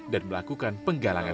dan melakukan penggalangan